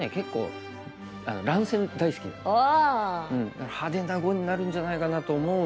だから派手な碁になるんじゃないかなと思うんですけど。